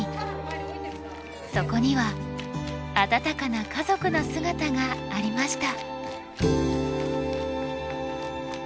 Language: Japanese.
そこには温かな家族の姿がありました。